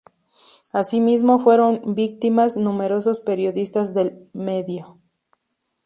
Asimismo fueron víctimas numerosos periodistas del medio.